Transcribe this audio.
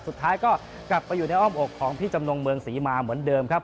สุดท้ายก็กลับไปอยู่ในอ้อมอกของพี่จำนงเมืองศรีมาเหมือนเดิมครับ